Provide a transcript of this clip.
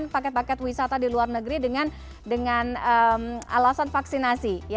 paket paket wisata di luar negeri dengan alasan vaksinasi